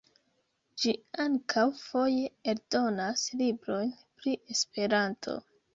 Ĝi ankaŭ foje eldonas librojn pri Esperanto.